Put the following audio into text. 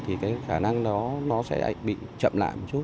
thì cái khả năng đó nó sẽ bị chậm lại một chút